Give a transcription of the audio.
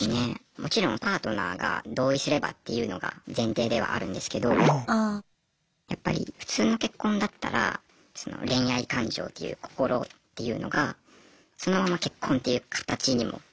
もちろんパートナーが同意すればっていうのが前提ではあるんですけどやっぱり普通の結婚だったらその恋愛感情っていう心っていうのがそのまま結婚っていう形にもつながっていくと思うんですけど。